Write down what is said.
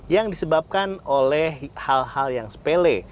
yang disebabkan oleh hal hal yang sepele